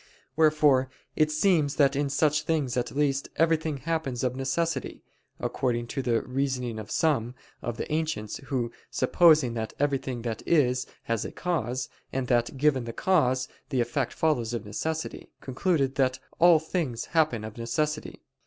Wherefore it seems that in such things at least, everything happens of necessity; according to the reasoning of some of the ancients who supposing that everything that is, has a cause; and that, given the cause, the effect follows of necessity; concluded that all things happen of necessity.